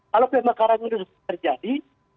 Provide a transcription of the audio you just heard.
kalau pemekaran ini terjadi